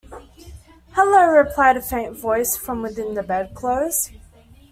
‘Hallo!’ replied a faint voice from within the bedclothes.